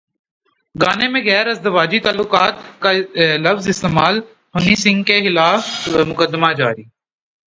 گانے میں غیر ازدواجی تعلقات کا لفظ استعمال ہنی سنگھ کے خلاف مقدمہ درج